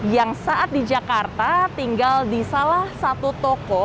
yang saat di jakarta tinggal di salah satu toko